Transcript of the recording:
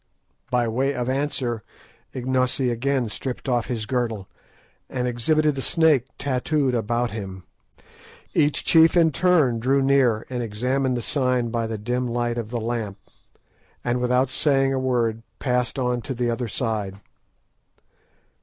By way of answer Ignosi again stripped off his girdle, and exhibited the snake tattooed about him. Each chief in turn drew near and examined the sign by the dim light of the lamp, and without saying a word passed on to the other side.